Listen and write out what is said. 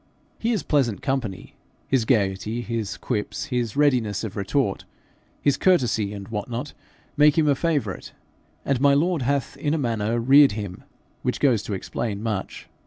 He is pleasant company; his gaiety, his quips, his readiness of retort, his courtesy and what not, make him a favourite; and my lord hath in a manner reared him, which goes to explain much.